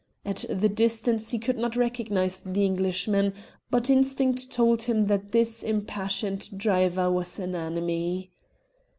At the distance he could not recognize the Englishman, but instinct told him that this impassioned driver was an enemy.